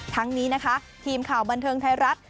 ทั้งนี้นะคะทีมข่าวบันเทิงไทยรัฐ